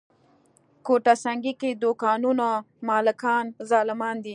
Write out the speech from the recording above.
ګوته سنګي کې دوکانونو مالکان ظالمان دي.